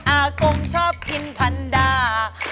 อากงชอบกินพันดา